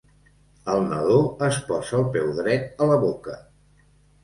El nadó es posa el peu dret a la boca.